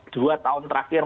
dua tahun terakhir